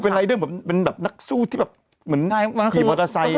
เป็นนักสู้ที่เหมือนขี่มอเตอร์ไซต์